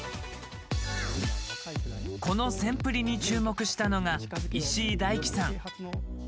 この「せん★プリ」に注目したのが石井大樹さん。